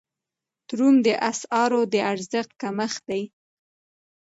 تورم د اسعارو د ارزښت کمښت دی.